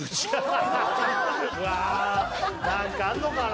うわなんかあるのかな？